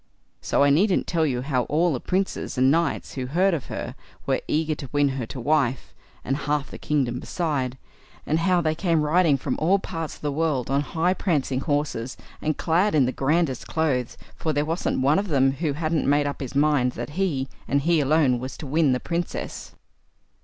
So I needn't tell you how all the princes and knights who heard of her were eager to win her to wife, and half the kingdom beside; and how they came riding from all parts of the world on high prancing horses, and clad in the grandest clothes, for there wasn't one of them who hadn't made up his mind that he, and he alone, was to win the Princess.